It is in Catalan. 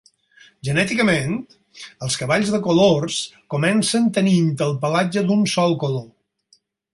Genèticament, els cavalls de colors comencen tenint el pelatge d'un sol color.